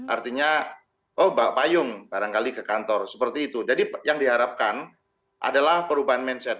artinya oh bak payung barangkali ke kantor seperti itu jadi yang diharapkan adalah perubahan mindset